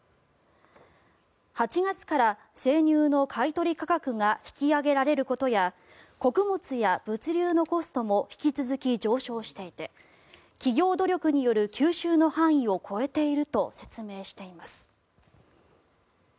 ８月から生乳の買い取り価格が引き上げられることや穀物や物流のコストも引き続き上昇していて企業努力による吸収の範囲を超えていると説明しています。